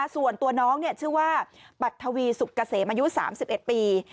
ส่วนตัวน้องชื่อว่าปัททวีสุกเกษมอายุ๓๑ปี